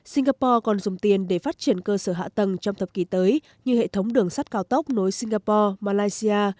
singapore còn dùng tiền để phát triển cơ sở hạ tầng trong thập kỷ tới như hệ thống đường sắt cao tốc nối singapore malaysia